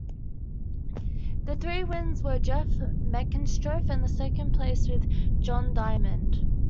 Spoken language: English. The three wins were with Jeff Meckstroth, and the second place with John Diamond.